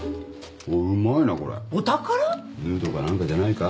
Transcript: ヌードか何かじゃないか？